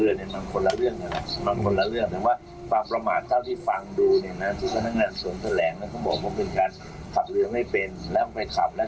อืมเป็นประแยนหลักฐาน